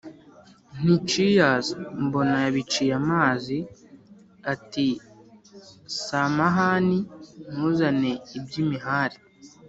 nti cheers mbona yabiciye amazi, ati samahani ntuzane iby’imihari